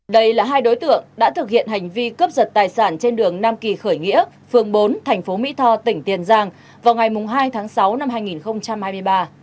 đây là hai đối tượng đã thực hiện hành vi cướp giật tài sản trên đường nam kỳ khởi nghĩa phường bốn thành phố mỹ tho tỉnh tiền giang vào ngày hai tháng sáu năm hai nghìn hai mươi ba